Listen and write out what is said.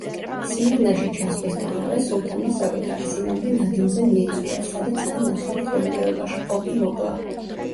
სმირნაში ჩასვლისთანავე, სულთანმა საკუთარი სიმამრი ნადიმზე მიიწვია, სადაც იგი ნასვამ მდგომარეობაში მყოფი მოკლა.